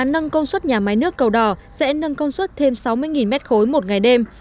nâng công suất nhà máy nước cầu đỏ sẽ nâng công suất thêm sáu mươi m ba một ngày đêm